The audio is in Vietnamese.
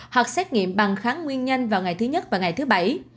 hoặc xét nghiệm bằng kháng nguyên nhân vào ngày thứ nhất và ngày thứ bảy